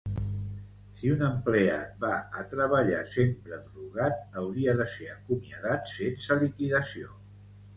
Si un empleat va a treballar sempre drogat hauria de ser acomiadat sense liquidació